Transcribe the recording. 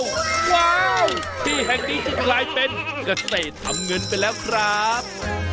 ว้าวพี่แฮกดี้ที่กลายเป็นกระเศษทำเงินไปแล้วครับ